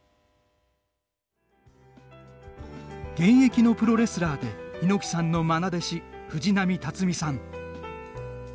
現役のプロレスラーで猪木さんのまな弟子藤波辰爾さん。